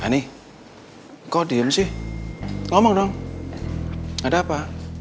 ini kok diem sih ngomong dong ada apa